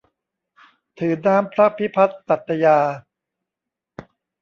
ถือน้ำพระพิพัฒน์สัตยา